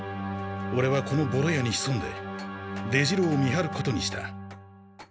オレはこのボロ家にひそんで出城を見はることにした。